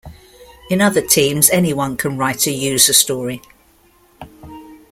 In other teams, anyone can write a user story.